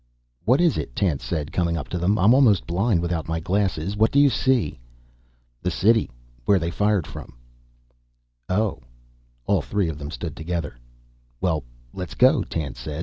"What is it?" Tance said, coming up to them. "I'm almost blind without my glasses. What do you see?" "The city. Where they fired from." "Oh." All three of them stood together. "Well, let's go," Tance said.